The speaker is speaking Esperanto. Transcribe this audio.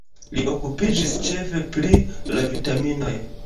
Li okupiĝis ĉefe pri la vitaminoj.